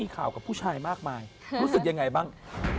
ข่าวกับผู้ชายมากมายรู้สึกยังไงบ้าง